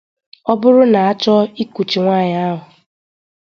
Ọ bụrụ na a chọọ ikuchi nwaanyị ahụ